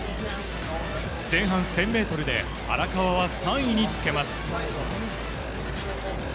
前半１０００ｍで荒川は３位につけます。